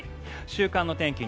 週間の天気